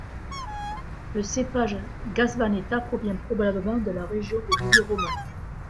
Le cépage Sgavetta provient probablement de la région d'Émilie-Romagne.